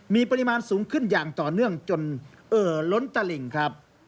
มีปริมาณสูงขึ้นอย่างต่อเนื่องจนเอ่อล้นตลิ่งครับ